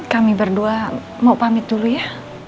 kami berdua mau pamit dulu ya